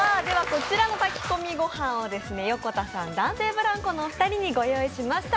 こちらの炊き込み御飯を横田さん、男性ブランコのお二人にご用意しました。